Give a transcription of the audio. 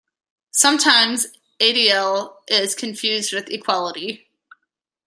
Sometimes 'adl is confused with equality.